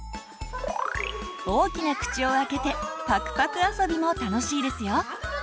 大きな口を開けてパクパクあそびも楽しいですよ。